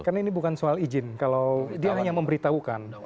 karena ini bukan soal izin kalau dia hanya memberitahukan